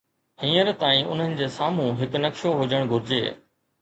هينئر تائين، انهن جي سامهون هڪ نقشو هجڻ گهرجي.